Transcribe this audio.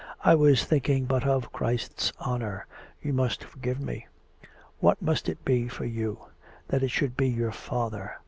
I was thinking but of Christ's honour. You must forgive me. ... What must it be for you! ... That it should be your father!